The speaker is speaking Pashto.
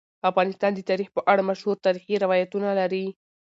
افغانستان د تاریخ په اړه مشهور تاریخی روایتونه لري.